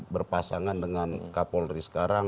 berpasangan dengan kapolri sekarang